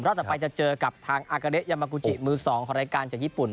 ต่อไปจะเจอกับทางอากาเละยามากูจิมือ๒ของรายการจากญี่ปุ่น